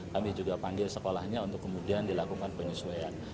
kami juga panggil sekolahnya untuk kemudian dilakukan penyesuaian